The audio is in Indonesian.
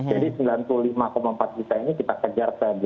jadi sembilan puluh lima empat juta ini kita kejar ke dua ratus delapan